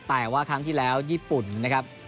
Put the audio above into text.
แต่ว่าครั้งที่แล้วญี่ปุ่นนะครับ